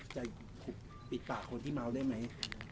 จะปิดปากคนที่เมาด้วยมั้ย